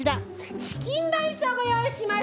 チキンライスをごよういしました！